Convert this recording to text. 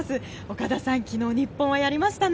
岡田さん、昨日日本はやりましたね。